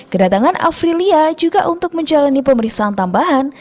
kedatangan afrilia juga untuk menjalani pemeriksaan tambahan